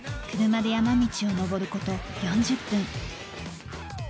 車で山道を上ること４０分。